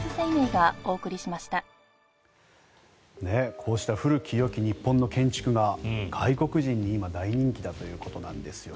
こうした古きよき日本の建築が外国人に今大人気だということなんですね。